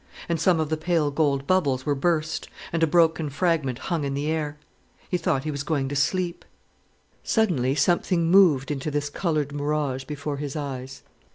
And some of the pale gold bubbles were burst, and a broken fragment hung in the air. He thought he was going to sleep. Suddenly something moved into this coloured mirage before his eyes.